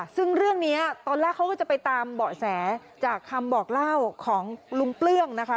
ซึ่งเรื่องนี้ตอนแรกเขาก็จะไปตามเบาะแสจากคำบอกเล่าของลุงเปลื้องนะคะ